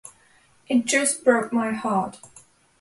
It just broke my heart.